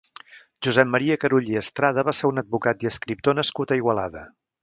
Josep Maria Carulla i Estrada va ser un advocat i escriptor nascut a Igualada.